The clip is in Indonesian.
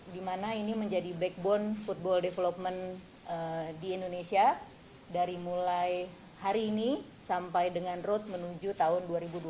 di mana ini menjadi backbone football development di indonesia dari mulai hari ini sampai dengan road menuju tahun dua ribu dua puluh